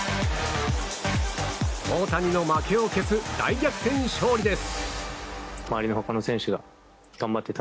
大谷の負けを消す大逆転勝利です。